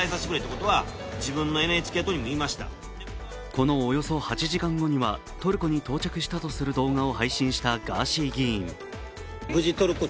このおよそ８時間後にはトルコに到着したとの動画を配信したガーシー議員。